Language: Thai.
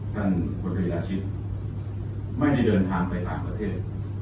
ท่านพลตรีอาชิตไม่ได้เดินทางไปต่างประเทศ